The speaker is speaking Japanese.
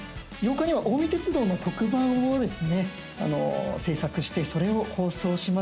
８日には近江鉄道の特番をですね制作して、それを放送しました。